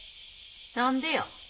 何でや？